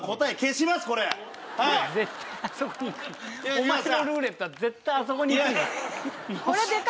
お前のルーレットは絶対あそこにいく。